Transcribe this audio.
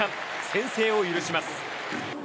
先制を許します。